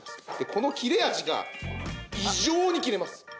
この切れ味が異常に切れます。